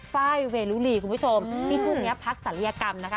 ป้ายเวลุหรี่คุณผู้ชมนี่พรุ่งนี้พักศัลยกรรมนะคะ